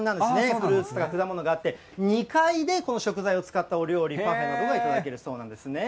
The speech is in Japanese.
フルーツとか果物とかあって、２階で、この食材を使ったお料理、パフェなどが頂けるそうなんですね。